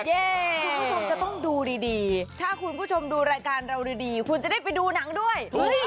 คุณผู้ชมจะต้องดูดีถ้าคุณผู้ชมดูรายการเราดีคุณจะได้ไปดูหนังด้วย